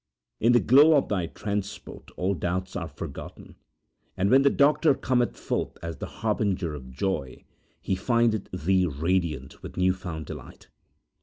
In the glow of thy transport all doubts are forgotten; and when the doctor cometh forth as the harbinger of joy he findeth thee radiant with new found delight.